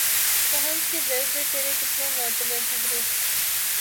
پہنچ کے در پہ ترے کتنے معتبر ٹھہرے